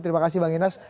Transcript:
terima kasih bang inas